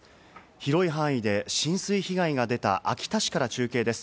広い範囲で浸水被害が出た秋田市から中継です。